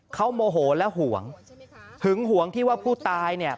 เขาโมโหและห่วงหึงห่วงที่ว่าผู้ตายเนี่ย